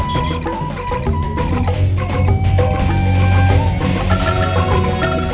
jatuh di copetan